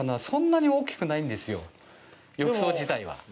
そんなに大きくないんですよ、浴槽自体は。